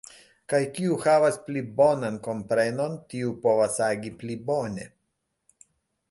Kaj kiu havas pli bonan komprenon, tiu povas agi pli bone.